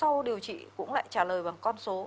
sau điều trị cũng lại trả lời bằng con số